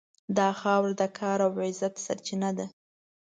دا خاوره د کار او عزت سرچینه ده.